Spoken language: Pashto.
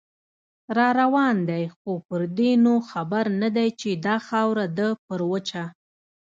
راروان دی خو پردې نو خبر نه دی، چې دا خاوره ده پر وچه